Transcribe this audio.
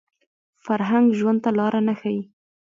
فرهنګ ژوند ته لاره نه ښيي